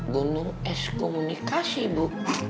gunung es komunikasi bu